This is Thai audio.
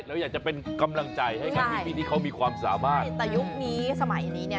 เราอยากจะเป็นกำลังใจให้กับพี่ที่เขามีความสามารถแต่ยุคนี้สมัยนี้เนี่ย